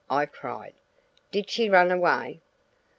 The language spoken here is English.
I cried. "Did she run away?"